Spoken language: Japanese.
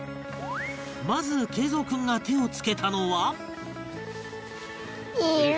まず桂三君が手を付けたのは